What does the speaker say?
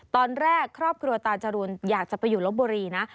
ตอนแรกครอบครัวตาจรูนอยากจะไปอยู่ลบบุรีนะ